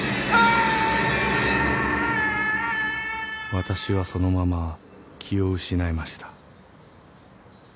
［私はそのまま気を失いました］